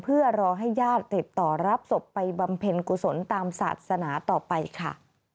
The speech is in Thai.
เพื่อรอให้ญาติติดต่อรับศพไปบำเพ็ญกุศลตามศาสนาต่อไปค่ะ